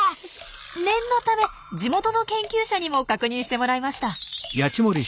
念のため地元の研究者にも確認してもらいました。